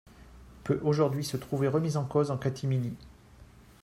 peut aujourd’hui se trouver remise en cause en catimini.